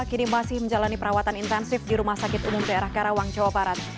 kini masih menjalani perawatan intensif di rumah sakit umum daerah karawang jawa barat